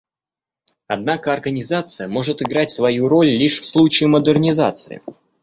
Однако Организация может играть свою роль лишь в случае модернизации.